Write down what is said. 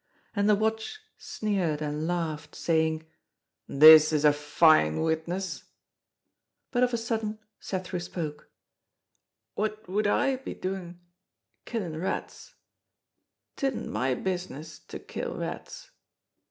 And the Watch sneered and laughed, saying: "This is a fine witness." But of a sudden Cethru spoke: "What would I be duin'—killin' rats; tidden my business to kill rats."